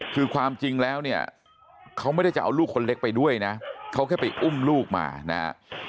คือความจริงแล้วเนี่ยเขาไม่ได้จะเอาลูกคนเล็กไปด้วยนะเขาแค่ไปอุ้มลูกมานะฮะ